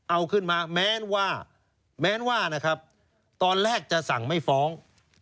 เอาขึ้นมาแม้นว่าตอนแรกจะสั่งไม่ฟ้อง